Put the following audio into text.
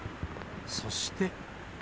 そして。